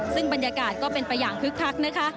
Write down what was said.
ซึ่งบรรยากาศก็เป็นประหย่างคึกคัก